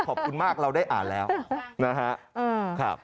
ขอบคุณมากเราได้อ่านแล้วนะครับ